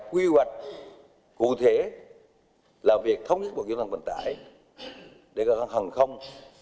quy hoạch cụ thể là việc thống nhất bộ kỹ thuật bản tải để các hãng hàng không